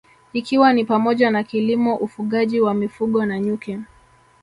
Ikiwa ni pamoja na kilimo ufugaji wa mifugo na nyuki